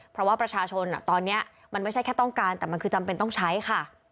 เพราะว่าประชาชนตอนนี้มันไม่ใช่แค่ต้องการแต่มันคือจำเป็นต้องใช้ค่ะ